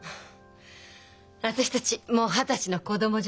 私たちもう二十歳の子供じゃないわ。